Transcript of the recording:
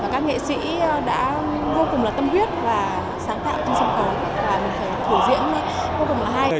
các nghệ sĩ đã vô cùng tâm huyết và sáng tạo trên sân khấu và thủ diễn vô cùng hay